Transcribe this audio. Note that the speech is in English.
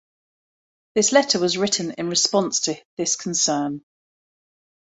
This letter was written in response to this concern.